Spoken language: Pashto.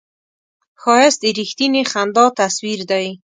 ښایست د رښتینې خندا تصویر دی